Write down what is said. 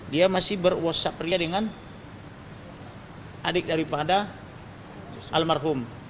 dia masih ber whatsapp dia dengan adik daripada almarhum